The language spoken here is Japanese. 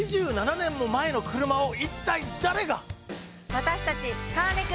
私たち。